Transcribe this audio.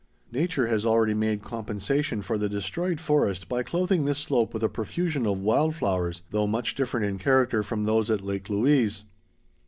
Nature has already made compensation for the destroyed forest by clothing this slope with a profusion of wild flowers, though much different in character from those at Lake Louise.